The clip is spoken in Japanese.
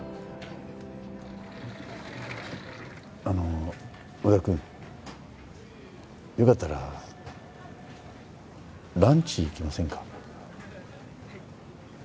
あの宇田くんよかったらランチ行きませんか？